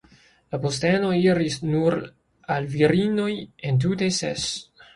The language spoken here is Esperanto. La posteno iris nur al virinoj, entute ses.